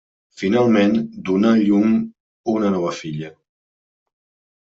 Finalment donà llum una nova filla.